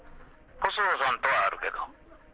細田さんとはあるけど。